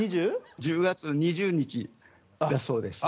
１０月２０日だそうです。